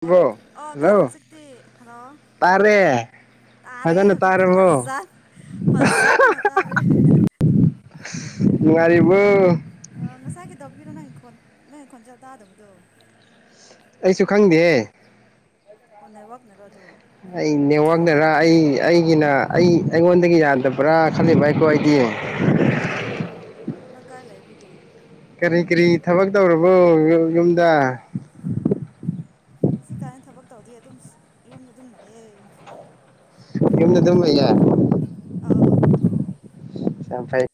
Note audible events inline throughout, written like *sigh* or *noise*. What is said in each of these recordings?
hello ꯑꯣ ꯇꯥꯔꯦ hello ꯍꯧꯖꯤꯛꯇꯤ ꯍꯜꯂꯣ ꯇꯥꯔꯦ ꯇꯥꯔꯦ ꯐꯖꯅ ꯍꯧꯖꯤꯛꯇꯤ ꯇꯥꯔꯕꯣ ꯐꯖꯟ ꯐꯖꯟꯅ ꯇꯥꯔꯦ ꯅꯨꯡꯉꯥꯏꯔꯤꯕꯣ ꯉꯁꯥꯏ ꯀꯩꯗꯧꯕꯤꯔꯣ ꯅꯪꯪ ꯐꯣꯟ ꯅꯪ ꯈꯣꯟꯆꯦꯜ ꯇꯥꯗꯕꯗꯣ ꯑꯩꯁꯨ ꯈꯪꯗꯦ ꯑꯣ ꯅꯦꯋꯥꯛꯅꯔꯣ ꯑꯗꯨ ꯑꯩ ꯅꯦꯠꯋꯥꯛꯗꯔ ꯑꯩ ꯑꯩꯒꯤꯅ ꯑꯩ ꯑꯩꯉꯣꯟꯗꯒꯤ ꯌꯥꯗꯕ꯭ꯔꯥ ꯈꯜꯂꯤꯕ ꯍꯥꯏꯀꯣ ꯑꯩꯗꯤ ꯑꯣ ꯅꯪ ꯀꯥꯏ ꯂꯩꯑꯕꯤꯒꯦ ꯀꯔꯤ ꯀꯔꯤ ꯊꯕꯛ ꯇꯧꯔꯕꯣ ꯌꯨꯝꯗ ꯍꯧꯛ ꯀꯥꯏ ꯊꯕꯛ ꯇꯧꯗ ꯑꯗꯨꯝ ꯌꯨꯝꯗ ꯑꯗꯨꯝ ꯂꯩꯌꯦ ꯌꯨꯝꯅ ꯑꯗꯨꯝ ꯂꯩ ꯑꯧ ꯌꯥꯝ ꯐꯩ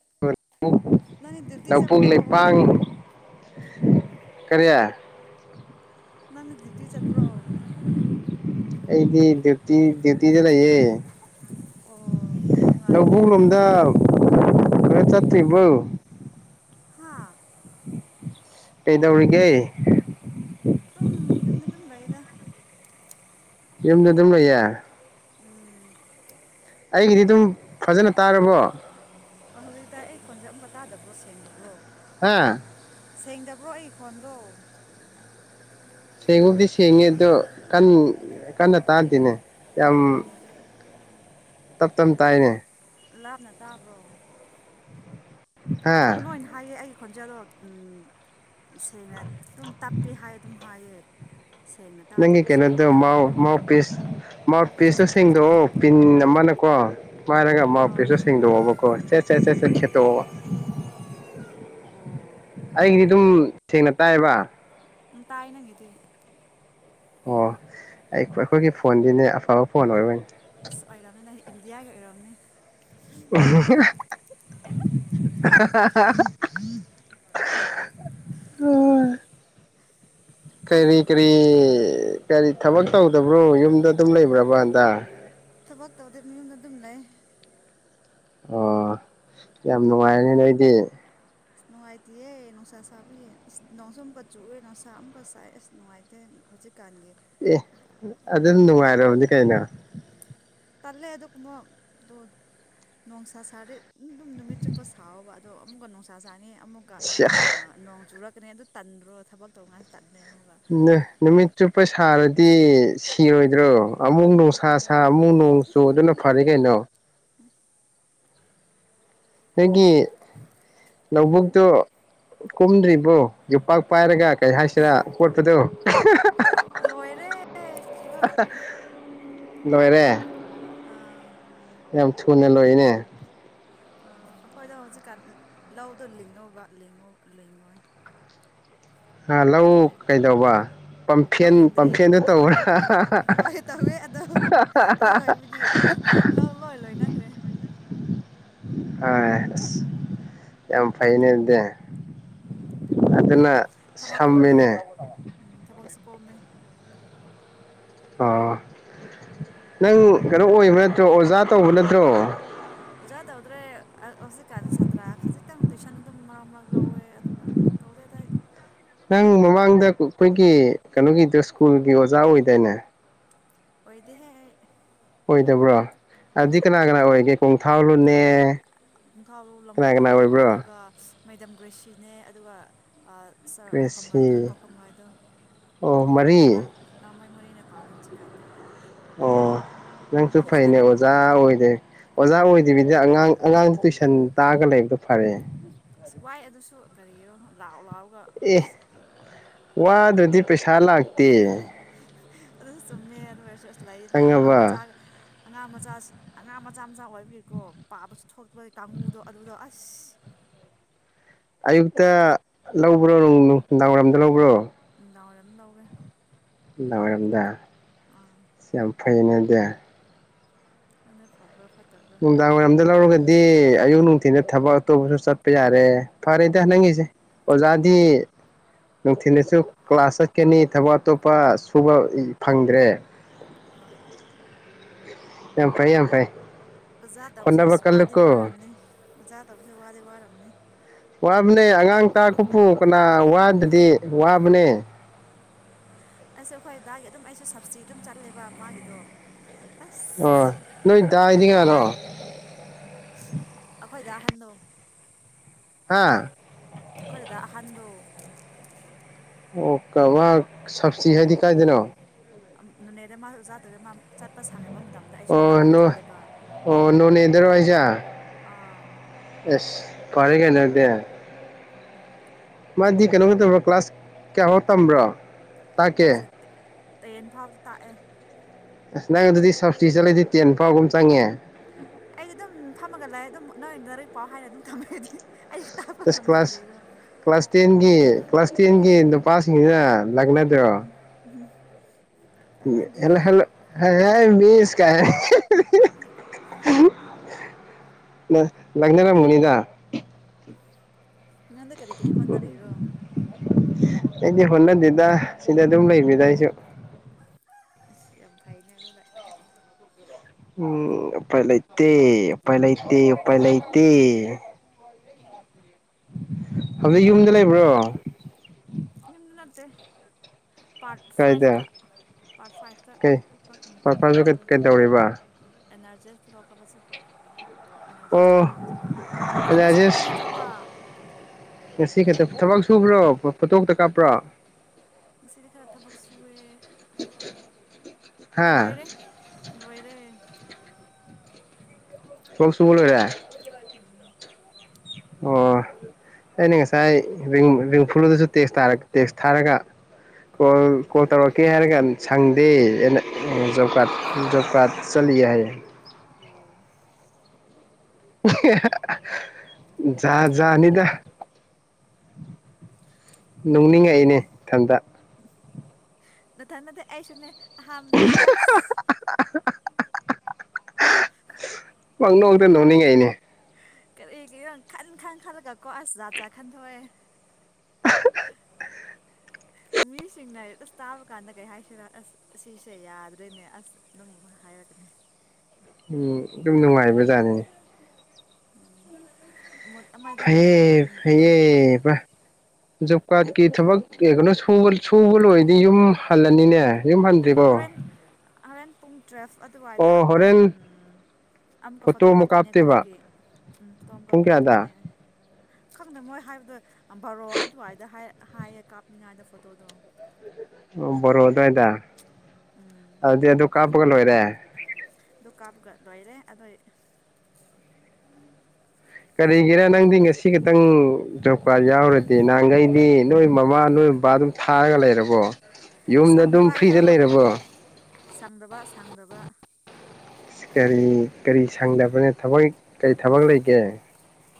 ꯅꯪꯗꯤ ꯗ꯭ꯌꯨꯇꯤ ꯆꯠꯄ꯭ꯔꯣ ꯂꯧꯕꯨꯄ ꯀꯔꯤꯌꯥ ꯅꯪ ꯗꯤꯇꯤ ꯆꯠ꯭ꯔꯣ ꯑꯩꯗꯤ ꯗꯌꯇ ꯗꯌꯨꯇꯗ ꯑꯣ ꯂꯕꯨ ꯅꯨꯡꯉꯥꯏꯅꯦ ꯂꯣꯝꯗꯝ ꯀ ꯆ ꯊꯕꯣ ꯍꯥꯥ ꯀꯩꯗꯧꯔꯤꯒꯦ ꯑꯗꯨꯝ ꯌꯨꯝꯗ ꯑꯗꯨꯝ ꯂꯩꯣꯏꯗ ꯏꯅꯗꯅ ꯌꯥ ꯎꯝ ꯑꯩꯒꯤꯗꯤ ꯑꯗꯨꯝ ꯐꯖꯅ ꯇꯥꯔꯕꯣ ꯑꯣ ꯍꯧꯖꯤꯛꯇ ꯑꯩ ꯈꯣꯟꯁꯦ ꯑꯃꯨꯛꯀ ꯇꯥꯗꯕ꯭ꯔꯣ ꯁꯦꯡꯗꯕ꯭ꯔꯣ ꯍꯥꯥ ꯁꯦꯡꯗꯕ꯭ꯔꯣ ꯑꯩ ꯈꯣꯟꯗꯣ ꯁꯦꯡꯉꯕꯨꯗꯤ ꯁꯦꯡꯉꯤ ꯑꯗꯣ ꯀ ꯀꯟꯅ ꯇꯥꯗꯦꯅꯦ ꯌꯥꯝ ꯇꯞ ꯇꯞ ꯇꯥꯏꯅꯦ ꯂꯥꯞꯅ ꯇꯥꯕ꯭ꯔꯣ ꯑꯗꯨꯝ ꯍꯥ ꯂꯣꯏꯅ ꯍꯥꯏꯌꯦꯦ ꯑꯩ ꯈꯣꯟꯖꯥꯗ ꯎꯝ ꯁꯦꯡꯅ ꯑꯗꯨꯝ ꯇꯞꯄꯤ ꯍꯥꯏ ꯑꯗꯨꯝ ꯍꯥꯏꯌꯦ ꯁꯦꯡꯅ ꯅꯪ ꯁꯦꯡꯗꯤ ꯀꯩꯅꯗꯨꯣ ꯃꯥꯎ ꯇꯥꯕ꯭ꯔꯥ ꯃꯥꯎ ꯄꯤꯁ ꯃꯥ ꯄꯤꯁꯇꯣ ꯁꯦꯡꯗꯣꯛꯑꯣ ꯄꯤꯟ ꯑꯃꯅꯀꯣ ꯃꯥꯔꯒ ꯃꯥ ꯑꯣ ꯄꯦꯁꯨ ꯁꯦꯡꯗꯣꯛꯑꯣꯕꯀꯣꯦ ꯁꯠ ꯁꯠ ꯁꯠ ꯈꯦꯠꯇꯣꯛꯕ ꯑꯣ ꯑꯩꯒꯤꯗꯤ ꯑꯗꯨꯝ ꯁꯦꯡꯅ ꯇꯥꯏꯕ ꯎꯝ ꯇꯥꯏ ꯅꯪꯒꯦꯗꯤ ꯑꯣ ꯑꯩ ꯑꯩꯈꯣꯏꯒꯤ ꯐꯣꯟꯗꯤꯅꯦ ꯑꯐꯕ ꯐꯣꯟ ꯑꯣꯏꯔꯣꯏꯅꯤ ꯑꯁ ꯑꯣꯏꯔꯝꯅ ꯏꯟꯗꯤꯌꯥꯒꯤ ꯑꯣꯏꯔꯝꯅꯤ ꯑꯣ ꯀꯔꯤ ꯀꯔꯤ ꯀꯔꯤ ꯊꯕꯛ ꯇꯧꯗꯕ꯭ꯔꯣ ꯌꯨꯝꯗ ꯑꯗꯨꯝ ꯂꯩꯕ꯭ꯔꯕ ꯍꯟꯇꯥ ꯊꯕꯛ ꯇꯧꯗꯦ ꯃꯨꯝꯗ ꯑꯗꯨꯝ ꯂꯩ ꯑꯣ ꯌꯥꯝ ꯅꯨꯡꯉꯥꯏꯔꯅꯤ ꯅꯣꯏꯗꯤ ꯑ ꯅꯨꯡꯉꯥꯏꯇꯦꯌꯦꯦ ꯅꯨꯡꯁꯥ ꯁꯥꯕꯦ ꯅꯣꯡꯁꯨꯥ ꯑꯃꯨꯛꯀ ꯆꯨꯑꯦ ꯅꯨꯡꯁꯥ ꯑꯃꯨꯛꯀ ꯁꯥꯏꯦ ꯑꯁ ꯅꯨꯡꯉꯥꯏꯇꯦ ꯍꯧꯖꯤꯛ ꯑꯦ ꯑꯗꯨꯝ ꯅꯨꯡꯉꯥꯏꯔꯕꯅꯤ ꯀꯩꯅꯣ ꯇꯜꯂꯦ ꯑꯗꯨꯒꯨꯝꯕ ꯑ ꯅꯨꯡꯁꯥ ꯁꯥꯔꯦ ꯑꯗꯨꯝ ꯅꯨꯃꯤꯠ ꯆꯨꯞꯄ ꯁꯥꯥꯎꯕ ꯑꯗꯣ ꯑꯃꯨꯛꯀ ꯅꯨꯡꯁꯥ ꯁꯥ ꯑꯃꯨꯛꯣꯡ ꯆ ꯀꯩꯅ ꯑꯗꯨ ꯇꯟꯗ꯭ꯔꯣ ꯊꯕꯛ ꯇꯧꯉ ꯎ ꯅꯨꯃꯤꯠꯇ ꯄꯩꯁ ꯁꯥꯔꯗꯤ ꯁꯤꯔꯣꯏꯗ꯭ꯔꯣ ꯑꯃꯨꯡꯗꯣꯡ ꯁ ꯁꯤꯔꯗꯤ ꯁꯃꯨꯡꯗꯣ ꯇ ꯑꯗꯨꯅ ꯐꯔꯦ ꯀꯩꯅꯣ ꯅꯣꯏꯒꯤ ꯂꯧꯕꯨꯛꯇꯣ ꯀꯨꯝꯗ꯭ꯔꯤꯕꯣ ꯌꯣꯄꯥꯛ ꯄꯥꯏꯔꯒ ꯀꯩ ꯍꯥꯏꯁꯤꯔꯥ ꯈꯣꯠꯄꯗꯨꯣ ꯎ ꯂꯣꯏꯔꯦ ꯊꯕꯛ ꯅꯣꯏꯔꯦ ꯑꯥ ꯌꯥꯝ ꯊꯨꯅ ꯂꯣꯏꯅꯦ ꯑꯩꯈꯣꯏꯗ ꯍꯧꯖꯤꯛꯀꯥꯟ ꯂꯧꯗꯣ ꯂꯤꯡꯉꯧꯕꯉ ꯂꯤꯡꯉꯣꯏ ꯍꯥ ꯂꯧ ꯑꯗꯨ ꯑꯣꯏꯕꯒꯤ ꯀꯩꯗꯧꯕ ꯂꯧ ꯄꯝꯐꯦꯟ ꯂꯤꯡꯗ꯭ꯔꯦ ꯄꯝꯐꯦꯟꯗ ꯇꯧꯕ꯭ꯔꯥ ꯍꯣꯏ ꯇꯧꯋꯦ ꯑꯗꯣ ꯑꯗꯨ ꯑꯣꯏꯕꯒꯤ ꯂꯧ ꯂꯣꯏ ꯂꯣꯏꯅꯈ꯭ꯔꯦ ꯑ ꯌꯥꯝ ꯐꯥꯏꯩꯅ ꯏꯗꯦ ꯎꯝ ꯌꯥꯝ ꯐꯕꯅꯦ ꯊꯕꯛ ꯀꯣꯝꯃꯦ ꯁꯝꯃꯤꯅꯦ ꯎꯝ ꯊꯕꯛꯁꯨ ꯀꯝꯃꯦ ꯑꯣ ꯅꯪ ꯀꯩꯅꯣ ꯑꯣꯏꯕ ꯅꯠꯇ꯭ꯔꯣ ꯑꯣꯖꯥ ꯇꯧꯕ ꯅꯠꯇ꯭ꯔꯣ ꯑꯣꯖꯥꯗꯗ꯭ꯔꯦ ꯍꯧꯖꯤꯛ ꯑꯗꯨ ꯁꯥ꯭ꯔ ꯈꯖꯤꯛ ꯇꯪ ꯇ꯭ꯌꯨꯁꯟ ꯑꯗꯨꯝ ꯃꯔꯛ ꯃꯔꯛ ꯂꯧꯋꯦ ꯑꯗꯨꯒ ꯇꯧꯗꯦꯗ ꯅꯪ ꯃꯃꯥꯡꯗ ꯑꯩꯈꯣꯏꯒꯤ ꯀꯩꯅꯣꯒꯤꯗ ꯁ꯭ꯀꯨꯜꯒꯤ ꯑꯣꯖꯥ ꯑꯣꯏꯗꯣꯏꯅꯦ ꯑꯣꯏꯣꯏꯗꯤ ꯍꯦ ꯑꯣꯏꯗꯕ꯭ꯔꯥ ꯑꯖꯤ ꯀꯅꯥ ꯀꯅꯥ ꯑꯣꯏ ꯑꯣꯏꯒꯦ ꯄꯣꯡꯊꯥꯥꯎ ꯂꯣꯅꯦ ꯈꯥꯎꯂꯨ ꯂꯝꯈꯣꯜꯂꯨ ꯑꯗꯨꯒ ꯃꯩꯗꯝ ꯒ꯭ꯔꯦꯁꯤꯅꯦ ꯑꯗꯨꯒ ꯁꯥꯔ ꯄꯥꯎꯈꯐꯝꯒꯥꯏꯗꯣ ꯀ꯭ꯔꯦꯁꯤ ꯄꯥꯎꯈꯐꯝꯒꯥꯏꯗꯣ ꯑꯣ ꯃꯔꯤ ꯃꯣꯏ ꯃꯣꯏ ꯃꯔꯤꯅ ꯄꯂꯔ ꯆ ꯀꯥꯟꯗꯦ ꯑꯣ ꯅꯪꯁꯨ ꯐꯩꯅꯦ ꯑꯣꯖꯥ ꯑꯣꯏꯗꯦ ꯑꯣꯖꯥ ꯑꯣꯏꯗ꯭ꯕꯤꯗ ꯑꯉꯥꯡ ꯑꯉꯥꯡꯗꯨ ꯇꯨꯏꯁꯟ ꯇꯥꯔꯒ ꯂꯩꯕꯗꯣ ꯐꯔꯦ ꯑꯁ ꯋꯥꯏ ꯑꯗꯨꯁꯨ ꯀꯔꯤꯅꯣ ꯂꯥꯎꯑꯣ ꯂꯥꯎ ꯑꯦ ꯋꯥ ꯑꯗꯨꯗꯤ ꯑꯗꯨ ꯆꯨꯝꯃꯦ ꯑꯗꯨ ꯑꯣꯏꯔꯁꯨ ꯑꯁꯨ ꯂꯩ ꯑꯉꯥꯡ ꯃꯆꯥ ꯈꯪꯉꯕ ꯑꯉꯥꯡ ꯃꯆꯥ ꯑꯉꯥꯡ ꯃꯆꯥ ꯃꯆꯥ ꯑꯣꯏꯕꯔꯤꯀꯣ ꯄꯥꯕꯁꯨ ꯊꯣꯛꯇꯕꯒꯤ ꯀꯥꯡꯒꯨꯗꯣ ꯑꯗꯨꯗꯣ ꯑꯁ ꯑꯌꯨꯛꯇ ꯂꯧꯕ꯭ꯔꯣ ꯅꯨꯡꯗꯥꯡ ꯋꯥꯏꯔꯝꯗ ꯂꯧꯕ꯭ꯔꯣ ꯗꯥꯔꯗꯎꯒꯦ ꯉꯔꯝꯗ ꯁꯝꯄꯨ ꯎ ꯐꯩꯅꯗꯤꯦ ꯍ ꯐꯕ꯭ꯔ ꯐꯥ ꯎ ꯗꯔꯗ ꯂꯔꯒ ꯗꯤ ꯑꯌꯨꯛ ꯅꯨꯡꯊꯤꯟ ꯊꯕꯛ ꯑꯇꯣꯞꯄꯁꯨ ꯆꯠꯄ ꯌꯥꯔꯦ ꯐꯔꯦꯗ ꯎꯝ ꯅꯪꯦꯁꯦ ꯑꯣꯖꯥ ꯗꯤ ꯅꯨꯡꯊꯤꯜꯗꯁꯨ ꯀ꯭ꯂꯥꯁ ꯆꯠꯀꯅꯤ ꯊꯕꯛ ꯑꯇꯣꯞꯄ ꯁꯨꯕ ꯐꯪꯗ꯭ꯔꯦ ꯑꯍꯣꯏ ꯌꯥꯝ ꯐꯥꯏ ꯌꯥꯝꯐꯥꯏ ꯑꯣꯖꯥ ꯇꯧꯕꯁꯦ ꯑꯁ ꯋꯥꯗꯤ ꯋꯥꯝꯅꯤ ꯑꯣꯖꯥ ꯇꯧꯕꯁꯦ ꯋꯥꯗꯤ ꯋꯥꯝꯅꯤ ꯋꯥꯕꯅꯦ ꯑꯉꯥꯡ ꯇꯥ ꯀꯄꯣꯡ ꯋꯥꯗꯗꯤ ꯋꯥ ꯃꯅꯦ ꯑꯁꯨ ꯑꯩꯈꯣꯏ ꯗꯥꯒꯤ ꯑꯗꯨꯝ ꯑꯩꯁꯨ ꯁꯞꯕꯁꯤꯤ ꯑꯗꯨꯝ ꯆꯠꯂꯦꯕ ꯃꯥꯒꯤꯗꯣ ꯑ ꯑꯁ ꯅꯣꯏꯗꯥꯏꯗꯤ ꯉꯥꯗꯣ ꯋꯥꯏ ꯑꯩꯈꯣꯏꯗ ꯑꯍꯟꯗꯣ ꯍꯥꯥ ꯑꯩꯈꯣꯏꯗꯨꯗ ꯑꯍꯟꯗꯣ ꯑꯣ ꯀ ꯁꯞꯕꯁꯤ ꯍꯥꯏꯗꯤ ꯀꯥꯏꯗꯅꯣ ꯅꯅꯦꯗ ꯃꯥ ꯑꯣꯖꯥ ꯇ꯭ꯔꯒ ꯃꯥ ꯆꯠꯄ ꯁꯥꯡꯅꯕ ꯑꯣ ꯑꯣ ꯅꯣ ꯅꯗꯔ ꯍꯥꯏꯖ ꯑꯥ ꯑꯦꯁ ꯄꯔꯒꯦꯅꯗ ꯎꯝ ꯃꯥꯗꯤ ꯀꯩꯅꯣꯒꯗꯕ꯭ꯔꯣ ꯀ꯭ꯂꯥꯁ ꯀꯌꯥꯐꯥꯎ ꯇꯝꯕ꯭ꯔꯣ ꯃꯥ ꯇꯥꯛꯀꯦ ꯆꯠꯇ ꯇꯔꯦꯟ ꯐꯥꯎꯗꯤ ꯇꯥꯛꯑꯦ ꯑꯁ ꯅꯪ ꯑꯗꯨꯗꯤ ꯁꯞꯇꯤ ꯆꯠꯂꯗꯤ ꯇꯦꯟ ꯐꯥꯎꯒꯨꯝ ꯆꯪꯉꯦ ꯑꯩꯗꯤ ꯑꯗꯨꯝ ꯐꯝꯃꯒ ꯂꯥꯛꯑꯦ ꯑꯗꯨꯝ ꯅꯣꯏ ꯂꯔꯤꯛ ꯄꯥꯎ ꯍꯥꯏꯅ ꯑꯗꯨꯝ ꯊꯝꯃꯗꯤ ꯁ ꯀ꯭ꯂꯥꯁ ꯀ꯭ꯂꯥꯁ ꯇꯦꯟꯒꯤ ꯀ꯭ꯂꯥꯁ ꯇꯦꯟꯒꯤ ꯅꯨꯄꯥꯁꯤꯡꯁꯤꯅ ꯂꯥꯛꯅ ꯎꯝ ꯎꯝ ꯏꯂ ꯍꯜꯂꯣ ꯑꯦꯕꯤꯁ ꯀ ꯂꯛꯅꯔꯝ ꯃꯅꯤꯗ *unintelligible* ꯅꯗ ꯀꯔꯤ ꯀꯔꯤ ꯈꯟꯅꯔꯔꯣ ꯑꯩꯗꯤ ꯍꯣꯠꯅꯗꯗ ꯁꯤꯗ ꯑꯗꯨꯝ ꯂꯩꯕꯤꯗ ꯑꯩꯁꯨ ꯌꯥꯝ ꯐꯥꯏꯅ ꯑꯗꯨ ꯎꯝꯄꯥꯏ ꯂꯩꯇꯄꯥꯏ ꯂꯩꯇꯄꯥꯏ ꯂꯩꯇ ꯑ ꯌ ꯂꯩ ꯂꯩꯕ꯭ꯔꯣ ꯌꯨꯝꯗ ꯅꯠꯇꯦ ꯄꯥꯔꯠ ꯀꯥꯏꯗ ꯐꯥꯏꯚꯇ ꯄꯥꯔꯠ ꯐꯥꯏꯚꯇ ꯀꯩ ꯑꯩꯣꯏ ꯀ ꯄꯥꯔꯠ ꯄꯥꯄꯥꯁꯨ ꯐꯥꯏꯚꯇꯗ ꯀꯩꯗꯧꯔꯤꯕ ꯑꯦꯟ ꯑꯔꯖꯤꯁ ꯄꯨꯗꯣꯛꯀ ꯑꯃ ꯆꯠꯄ ꯑꯣ *unintelligible* ꯑꯩꯗꯤ ꯉꯁꯤ ꯈꯛꯇꯅꯦ ꯔꯥꯖꯦꯁ ꯆꯠꯄ ꯉꯁꯤ ꯈꯛꯇ ꯊꯕꯛ ꯁꯨꯕ꯭ꯔꯣ ꯐꯣꯇꯣ ꯈꯛꯇ ꯀꯥꯞꯄ꯭ꯔꯣ ꯉꯁꯤꯗꯤ ꯈꯔ ꯊꯕꯛ ꯁꯨꯑꯦ ꯍꯥ ꯂꯣꯏꯔꯦ ꯂꯣꯏꯔꯦ *unintelligible* ꯂꯣꯏꯔꯦ ꯎꯝ ꯑꯣ ꯑꯩꯅ ꯉꯁꯥꯏ ꯔꯤꯡ ꯐꯨꯂꯨꯗꯁꯨ ꯇꯦꯛꯁ ꯇꯦꯛꯁ ꯊꯥꯔꯒ ꯑꯣ ꯀꯣꯜ ꯀꯣꯜꯇꯧꯔ ꯀꯦ ꯍꯥꯏꯔ ꯀꯥꯟ ꯁꯪꯗꯦ ꯖꯣꯕ ꯀꯥꯔꯠ ꯖꯣꯕ ꯀꯥꯔꯗ ꯆꯠꯂꯤ ꯍꯥꯏꯌꯦ ꯑꯣ ꯖꯥ ꯖꯥꯅꯤꯗ ꯅꯨꯡꯅꯤꯡꯉꯛꯏꯅꯦ ꯏꯊꯟꯇ ꯅ ꯊ ꯅꯠꯇꯦ ꯑꯁꯨꯅꯦ ꯑꯍꯥꯝꯗ ꯑꯩꯁꯨ ꯑꯁ *inaudible* ꯄꯪ ꯅꯣꯛꯇ ꯅꯣꯅꯤꯡꯉꯩꯅꯦ ꯀꯔꯤ ꯀꯤꯔꯥ ꯈꯟ ꯈꯟ ꯈꯜꯂꯒ ꯀꯣ ꯑꯁ ꯖꯥꯠ ꯖꯠ ꯈꯟꯗꯣꯛꯑꯦ *inaudible* ꯃꯤꯁꯤꯡꯅ ꯑꯁ ꯇꯥꯕ ꯀꯥꯟꯗ ꯀꯩ ꯍꯥꯏꯁꯤꯔ ꯑꯁ ꯁꯤꯁꯦ ꯌꯥꯗ꯭ꯔꯦꯅꯦ ꯑꯁ ꯑꯗꯨꯝ ꯍꯥꯏꯔꯛꯀꯅꯤ ꯎꯝ ꯑꯗꯨꯝ ꯅꯨꯡꯉꯥꯏꯕꯖꯥꯅꯤ ꯎꯝ ꯃꯨꯠ ꯑꯃꯗꯤ ꯐꯌꯦ ꯅꯨꯡꯉꯥꯏ ꯃꯨꯠ ꯑꯃꯗꯤ ꯐꯩꯌꯦꯕ ꯖꯣ ꯀꯥꯠꯀꯤ ꯊꯕꯛ ꯀꯩ ꯀꯩꯅꯣ ꯁꯨꯕ ꯂꯣꯏꯔꯗꯤ ꯌꯨꯝ ꯍꯜꯂꯅꯤꯅꯦ ꯌꯨꯝ ꯍꯟꯗꯔ꯭ꯤꯕꯣ ꯍꯣꯔꯦꯟ *unintelligible* ꯄꯨꯡ ꯇꯨꯋꯦꯜꯐ ꯑꯗꯨꯋꯥꯏꯗ ꯑꯗꯨꯝ ꯎꯝ ꯑꯃꯛꯀ ꯐꯣꯇꯣ ꯑꯃꯨꯛ ꯀꯥꯞꯇꯣꯏꯅꯦ ꯀꯥꯞꯇꯣꯏꯕ ꯒ꯭ꯔꯨꯞꯀꯤ ꯎꯝ ꯐꯣꯇꯣ ꯑꯃꯀ ꯄꯨꯡ ꯀꯥꯞꯇꯣꯏꯅꯦ ꯀꯌꯥꯗ ꯈꯪꯗ ꯃꯣꯏ ꯍꯥꯏꯕꯗꯣ ꯕꯔꯣ ꯑꯗꯨꯋꯥꯏꯗ ꯍꯥꯏ ꯍꯥꯏꯌꯦ ꯀꯥꯞꯅꯤꯡꯉꯗꯣ ꯐꯣꯇꯣꯗꯣ ꯕꯔꯣ ꯗꯏꯗ ꯎꯝ ꯑꯗꯤ ꯑꯗꯨ ꯀꯥ *unintelligible* ꯑꯗꯨ ꯀꯥꯞꯒ ꯂꯣꯏꯔꯦ ꯑꯗꯣ ꯀꯔꯤꯒꯤꯔꯥ ꯅꯪꯗꯤ ꯉꯁꯤ ꯈꯇꯪ ꯖꯣꯕ ꯀꯥꯔꯗ ꯌꯥꯎꯔꯗꯤ ꯅꯍꯥꯟꯈꯩꯗꯤ ꯅꯣꯏ ꯃꯃꯥ ꯅꯣꯏ ꯕꯕꯥ ꯑꯗꯨꯝ ꯊꯥꯔꯒ ꯂꯩꯔꯕꯣ ꯌꯨꯝꯗ ꯑꯗꯨꯝ ꯁꯪꯗꯕ ꯑꯩꯗꯣ ꯐ꯭ꯔꯤꯗ ꯂꯩꯔꯕꯣ ꯁꯪꯗꯕ ꯁꯪꯗꯕ ꯀꯔꯤ ꯀꯔꯤ ꯁꯪꯗꯕꯅꯦ ꯊꯕꯛ ꯀꯔꯤ ꯊꯕꯛ ꯂꯩꯒꯦ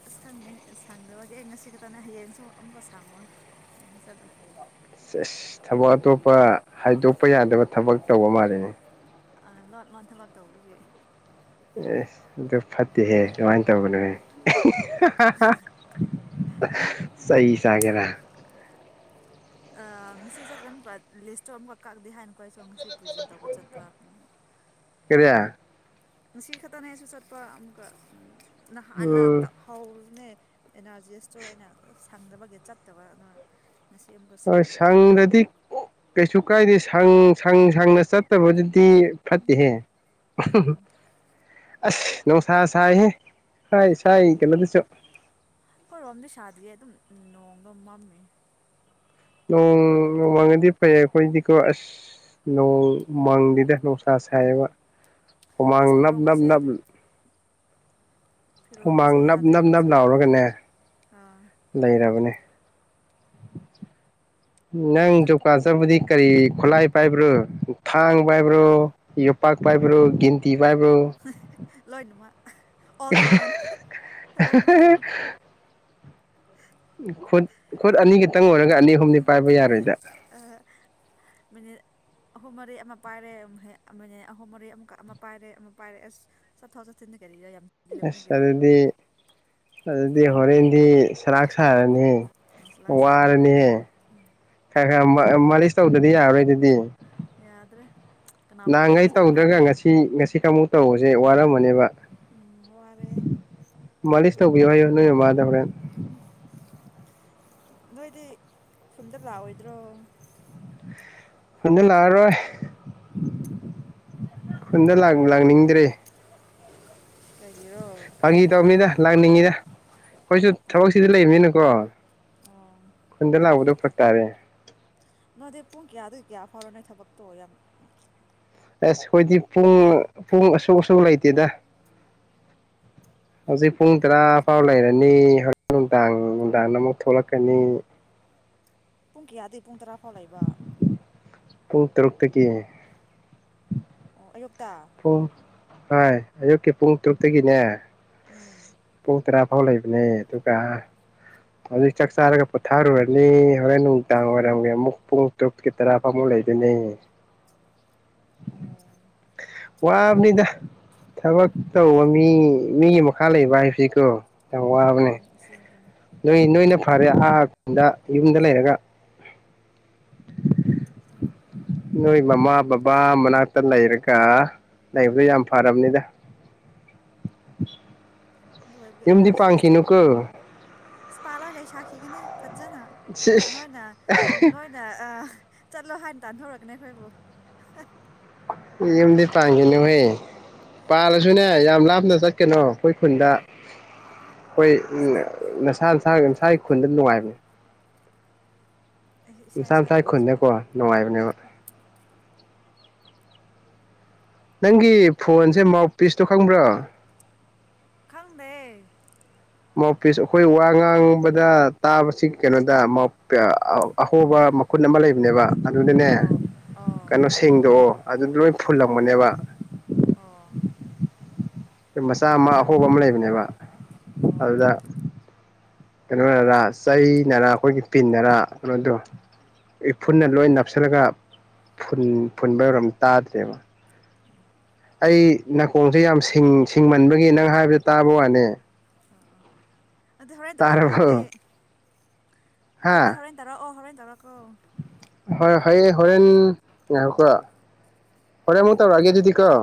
ꯑꯁ ꯈꯪꯗꯦ ꯁꯪꯗꯕꯒꯤ ꯑꯩ ꯉꯁꯤ ꯈꯛꯇꯅꯦ ꯍꯌꯦꯡꯁꯨ ꯑꯃꯨꯛꯀ ꯁꯪꯉꯣꯏ ꯍꯌꯦꯡ ꯆꯠꯂꯣ ꯑꯁ ꯊꯕꯛ ꯑꯇꯣꯞꯄ ꯍꯥꯏꯗꯣꯛꯄ ꯌꯥꯗꯕ ꯊꯕꯛ ꯇꯧꯕ ꯃꯥꯜꯂꯤꯅꯦ ꯑ ꯂꯣꯠ ꯂꯣꯠ ꯊꯕꯛ ꯇꯧꯕꯒꯤ ꯑꯦꯁ ꯑꯗꯨ ꯐꯠꯇꯦꯍꯦ ꯀꯃꯥꯏꯅ ꯇꯧꯒꯅꯣꯍꯦ ꯆꯍꯤ ꯆꯒꯦꯔꯃ ꯑꯥ ꯉꯁꯤ ꯆꯠ *unintelligible* ꯂꯤꯁꯇꯣ ꯑꯃꯈꯛ ꯀꯛꯑꯗꯤ ꯍꯥꯏꯅꯀꯣ ꯑꯩꯁꯨ ꯉꯁꯤ ꯄ꯭ꯔꯤꯖꯦꯟ ꯇꯧꯕ ꯆꯠꯄ *unintelligible* ꯁꯤ ꯈꯛꯇꯅꯦꯁꯨ ꯆꯠꯄ ꯑꯃꯨꯛꯀ ꯅꯥꯟꯅ ꯎꯝ ꯍꯧꯥꯎꯅꯦ ꯑꯦꯅꯥꯔꯖꯤꯁꯇꯣ ꯑ ꯑꯣꯏꯅ ꯁꯪꯗꯕꯒꯤ ꯆꯠꯇꯕ ꯑꯗꯨꯅ ꯉꯁꯤ ꯑꯃꯨꯛꯀ ꯁꯪꯉꯕ ꯁꯥꯪꯕꯇꯛ ꯀꯁꯨ ꯀꯥꯏꯗ ꯁꯪ ꯁꯪ ꯁꯪꯅ ꯆꯠꯇꯕ ꯐꯠꯇ ꯍꯦ ꯎꯝ ꯑꯁ ꯅꯨꯡꯁꯥ ꯁꯥꯏꯍꯦ ꯁꯥꯏ ꯁꯥꯏ ꯀꯩꯅꯣꯗꯨꯁꯨ ꯍꯣꯏ ꯔꯣꯝꯗꯤ ꯁꯥꯗꯤꯦ ꯑꯗꯨꯝ ꯅꯣꯡꯒ ꯃꯝꯃꯤ ꯅꯣꯡ ꯅꯣꯡꯃꯪꯉꯗꯤ ꯐꯩ ꯑꯩꯈꯣꯏꯗꯤꯀꯣ ꯑꯁ ꯅꯣꯡꯃꯪꯗꯦꯗ ꯅꯨꯡꯁꯥ ꯁꯥꯏꯌꯦꯕ ꯍꯨꯃꯥꯡ ꯑꯁ ꯅꯞ ꯅꯞ ꯐꯤꯔꯣꯟꯒꯁꯦ ꯅꯞ ꯍꯨꯃꯥꯡ ꯐꯤꯔꯣꯟꯒꯁꯦ ꯅꯞ ꯌꯥꯗ꯭ꯔꯦ ꯅꯞ ꯅꯞ ꯅꯨꯡꯁꯥ ꯊꯣꯛꯄꯒꯤ ꯂꯥꯎꯔꯒꯅꯦ ꯑꯥ ꯂꯩꯔꯕꯅꯦ *inaudible* ꯅꯪ ꯆ ꯀꯥꯖꯔꯕꯗꯤ ꯀꯔꯤ ꯈꯨꯠꯂꯥꯏ ꯄꯥꯏꯕ꯭ꯔꯣ ꯊꯥꯡ ꯄꯥꯏꯕ꯭ꯔꯣ ꯌꯣꯄꯥꯛ ꯄꯥꯏꯕ꯭ꯔꯣ ꯒꯤꯟꯇꯤ ꯄꯥꯏꯕ꯭ꯔꯣ ꯂꯣꯏꯣꯏꯅꯨꯃ ꯑꯣꯜ ꯏꯟ ꯋꯥꯟ ꯂꯣꯏꯅꯃꯛꯒꯤꯟ ꯈꯨꯠ ꯈꯨꯠ ꯑꯅꯤ ꯈꯈꯤꯇꯪ ꯑꯣꯏꯔꯒ ꯑꯅꯤ ꯑꯍꯨꯝꯅꯤ ꯄꯥꯏꯕ ꯌꯥꯔꯣꯏꯗ ꯃꯤꯅꯤꯠ ꯑꯍꯨꯝ ꯃꯔꯤ ꯑꯃ ꯄꯥꯏꯔꯦ ꯃꯤꯅꯤꯠ ꯑꯍꯨꯝ ꯃꯔꯤ ꯑꯃꯨꯛꯀ ꯑꯃ ꯄꯥꯏꯔꯦ ꯑꯃ ꯄꯥꯏꯔꯦ ꯑꯁ ꯆꯠꯊꯣꯛ ꯆꯠꯊꯤꯟꯗ ꯀꯔꯤ ꯂ ꯑꯁꯥ ꯑꯗꯨꯗꯤ ꯑꯗꯨ ꯍꯣꯔꯦꯟꯗꯤ ꯁꯔꯥꯛ ꯁꯥꯔꯅꯤ ꯑꯁ ꯂꯥꯛ ꯆꯥꯅꯤ ꯋꯥꯔꯅꯦ ꯃꯥꯂꯤꯁ ꯇꯧꯗꯗꯤ ꯌꯥꯔꯣꯏ ꯑꯗꯨꯗꯤ ꯌꯥꯗ꯭ꯔꯦ ꯀꯅꯥꯕꯨ ꯅꯍꯥꯟꯉꯩ ꯇꯧꯍꯟꯁꯤꯔꯥ ꯇꯧꯗ꯭ꯔꯒ ꯈꯪꯗ꯭ꯔꯦ ꯉꯁꯤ ꯉꯁꯤ ꯀꯨꯛ ꯇꯧꯕꯁꯦ ꯋꯥꯔꯝꯃꯅꯦꯕ ꯋꯥꯋꯥꯔꯦ ꯇꯧꯕꯤꯌ ꯍꯥꯏꯨ ꯅꯣꯏ ꯃꯃꯥꯗ ꯍꯣꯔꯦꯟ ꯅꯣꯏꯗꯤ ꯈꯨꯟꯗ ꯂꯥꯛꯑꯣꯏꯗ꯭ꯔꯣ ꯈꯨꯟꯗ ꯂꯥꯛꯑꯔꯣꯏ ꯈꯨꯟꯗ ꯂꯥꯛꯅꯤꯡꯗ꯭ꯔꯦ ꯀꯩꯒꯤꯔꯣ ꯐꯪꯒꯤꯤ ꯇꯧꯅꯤꯗ ꯂꯪꯅꯤꯡꯉꯤꯗ ꯑꯩꯈꯣꯏꯁꯨ ꯑꯣ ꯊꯕꯛꯁꯤꯗꯤ ꯂꯩꯕꯅꯤꯅꯀꯣ ꯑꯣ ꯈꯨꯟꯗ ꯂꯥꯛꯄꯗꯣ ꯐ ꯇꯥꯔꯦ ꯅꯣꯏꯗꯤ ꯄꯨꯡ ꯀꯌꯥ ꯑꯗꯨ ꯀꯌꯥ ꯐꯥꯎꯔꯅꯤ ꯊꯕꯛꯇꯣ ꯌꯥꯝ ꯑꯁ ꯑꯩꯈꯣꯏꯗꯤ ꯄꯨꯡ ꯄꯨꯡ ꯑꯁꯨꯛ ꯑꯁꯨ ꯂꯩꯇꯦꯗ ꯍꯧꯖꯤꯛ ꯄꯨꯡ ꯇꯔꯥ ꯐꯥꯎ ꯂꯩꯔꯅꯤ ꯍꯧꯖꯤ ꯅꯨꯡꯗꯥꯡ ꯅꯨꯡꯗꯥꯡ ꯑꯃꯨꯛ ꯊꯣꯛꯂꯛꯀꯅꯤ ꯄꯨꯡ ꯀꯌꯥꯗꯒꯤ ꯄꯨꯡ ꯇꯔꯥ ꯐꯥꯎ ꯂꯩꯕ ꯄꯨꯛꯛꯇ ꯄꯨꯛꯇ ꯀ ꯑꯣ ꯑꯌꯨ ꯑ ꯍ ꯑꯌꯨꯛꯀꯤ ꯄꯨꯡ ꯇꯔꯨꯛꯇꯒꯤꯅꯦ ꯎꯝ ꯄꯨ ꯇꯔ ꯑꯐꯥꯎ ꯂꯩꯕꯅꯦ ꯑꯗꯨꯒ ꯑꯗꯨ ꯆꯥꯛ ꯆꯥꯔꯒ ꯄꯣꯊꯥꯔꯨꯔꯅꯤ ꯍꯣꯔꯦꯟ ꯅꯨꯡꯗꯥꯡ ꯋꯥꯏꯔꯝꯒꯤ ꯑꯃꯨꯛ ꯄꯨꯡ ꯇꯔꯨꯛꯀꯤ ꯇꯔꯥꯐꯥꯎꯃꯨꯛ ꯂꯩꯗꯣꯏꯅꯤ ꯑꯣ *unintelligible* ꯋꯥꯕꯅꯤꯗ ꯊꯕꯛ ꯇꯧꯕ ꯃꯤ ꯃꯤꯒꯤ ꯃꯈꯥ ꯂꯩꯕ ꯍꯥꯏꯕꯁꯤꯀꯣ ꯌꯥꯝ ꯋꯥꯕꯅꯦ ꯎꯝ ꯑꯁꯦꯡꯕꯅꯦ ꯅꯣꯏ ꯅꯣꯏꯅ ꯐꯔꯦ ꯑꯍꯥꯗ ꯌꯨꯝꯗ ꯂꯩꯔꯒ ꯎꯝ ꯅꯣꯏ ꯃꯃꯥ ꯕꯕꯥ ꯃꯅꯥꯛꯇ ꯂꯩꯔꯒ ꯂꯩꯕꯗꯨ ꯌꯥꯝ ꯐꯔꯕꯅꯤꯗ ꯑꯗꯨ ꯑꯣꯏꯕ ꯌꯨꯝꯗꯤ ꯑꯦꯅꯥꯔꯖꯤꯁ ꯇꯧꯔꯣꯏꯅꯦ ꯄꯥꯟꯈꯤꯅꯨꯀꯣ ꯑ ꯄꯥ ꯂ ꯂꯩ ꯁꯥꯈꯤꯒꯅꯤ ꯐꯖꯅ ꯁꯤꯁ ꯅꯣꯏꯅ ꯅꯣꯏꯅ ꯆꯠꯂꯣ ꯍꯥꯟꯅ ꯇꯥꯟꯊꯣꯔꯛꯒꯅꯦ ꯑꯩꯈꯣꯏꯕꯨ ꯌꯨꯝꯗꯤ ꯄꯥꯟꯈꯤꯅꯦ ꯍꯣꯏ ꯄꯥꯜꯂꯁꯨꯅꯦ ꯌꯥꯝ ꯂꯥꯞꯅ ꯆꯠꯀꯅꯣ ꯑꯩꯈꯣꯏ ꯈꯨꯟꯗ ꯑꯩꯈꯣꯏ ꯎ ꯅꯁꯥ ꯅꯁꯥ ꯅꯁꯥꯒꯤ ꯈꯨꯟꯗ ꯅꯨꯡꯉꯥꯏꯕꯅꯦ ꯑꯦ ꯏꯁꯥ ꯃꯁꯥ ꯏꯁꯥ ꯃꯅꯨꯡꯁꯥꯏ ꯈꯨꯟꯁꯨ ꯈꯟꯖꯦꯀ ꯅꯅꯨꯡꯉꯥꯏ ꯃꯅꯦ ꯅꯪꯒꯤ ꯐꯣꯟꯁꯦ ꯃꯥꯎꯠ ꯄꯤꯁꯇꯣ ꯈꯪꯕ꯭ꯔꯥ ꯈꯪꯗꯩ ꯃꯥꯄꯤꯁ ꯑꯩꯈꯣꯏ ꯋꯥ ꯉꯥꯡꯕꯗ ꯇꯥꯕꯁꯤ ꯀꯩꯅꯣꯗ ꯑꯍꯣꯕ ꯃꯈꯨꯟ ꯑꯃ ꯂꯩꯕꯅꯦꯕ ꯑꯗꯨꯅꯅꯦ ꯑꯣ ꯑꯣ ꯀꯩꯅꯣ ꯁꯦꯡꯗꯣꯛꯑꯣ ꯑꯗꯨ ꯂꯣꯏ ꯐꯨꯜ ꯂꯂꯝꯕꯕ ꯑꯣ ꯃꯆꯥ ꯑꯃ ꯑꯍꯣꯕ ꯑꯃ ꯂꯩꯕꯅꯦꯕ ꯑꯣ ꯑꯗꯨꯗ ꯍꯣꯔꯦꯟ ꯀꯩꯅꯣꯔꯥ ꯆꯩꯅꯔꯥ ꯑꯩꯈꯣꯏꯒꯤ ꯄꯤꯟꯅꯔꯥ ꯀꯩꯅꯣꯗꯣ ꯏꯐꯨꯟꯅ ꯂꯣꯏ ꯅꯞꯁꯤꯜꯂꯒ ꯐꯨꯟꯕ ꯌꯧꯔꯝ ꯇꯥꯗ꯭ꯔꯦꯕ ꯑꯩ ꯅꯥꯀꯣꯡꯁꯦ ꯌꯥꯝ ꯁꯤꯡꯃꯟꯕꯒꯤ ꯅꯪ ꯍꯥꯏꯕꯗ ꯇꯥꯕ ꯋꯥꯅꯦ ꯑꯗꯨꯗꯤ ꯍꯣꯔꯦꯟ ꯧꯔꯥꯀꯣ ꯑꯗꯨꯗꯤ ꯇꯥꯔꯕꯣ ꯑꯗꯨꯗꯤ ꯍꯥ ꯍꯣꯔꯦꯟ ꯇꯧꯔꯛꯑꯣ ꯑꯣ ꯍꯣꯔꯦꯟ ꯇꯔꯀ ꯍꯣꯏ ꯍ ꯍꯔꯦꯟ ꯌꯥꯍ ꯀ ꯍꯔꯦ ꯃꯨ ꯇꯧꯔꯒꯦꯗꯨꯗꯤ ꯀꯣ